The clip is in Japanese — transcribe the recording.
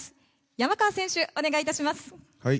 山川選手、お願いいたします。